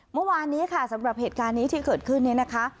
เมื่อวานนี้ค่ะสำหรับเหตุการณ์นี้ที่เกิดขึ้นเนี่ยนะคะ